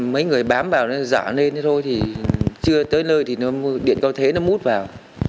mấy người bám vào thì giả lên thôi chưa tới nơi thì điện cao thế nó mút vào